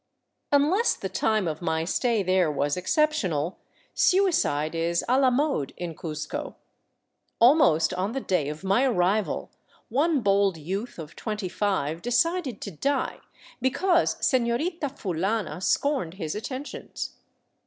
Unless the time of my stay there was exceptional, suicide is a la mode in Cuzco. Almost on the day of my arrival one bold youth of twenty five decided to die because Senorita Fulana scorned his atten tions.